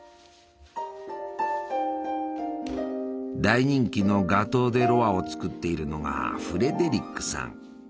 大人気のガトー・デ・ロワを作っているのがフレデリックさん。